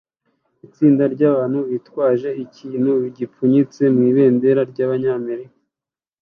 Itsinda ryabantu bitwaje ikintu gifunitse mubendera ryabanyamerika